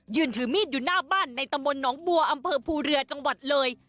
ถือมีดอยู่หน้าบ้านในตำบลหนองบัวอำเภอภูเรือจังหวัดเลย